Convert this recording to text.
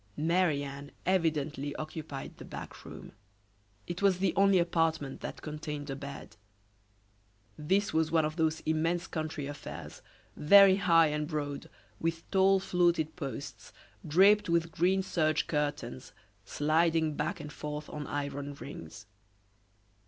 Marie Anne evidently occupied the back room. It was the only apartment that contained a bed. This was one of those immense country affairs, very high and broad, with tall fluted posts, draped with green serge curtains, sliding back and forth on iron rings.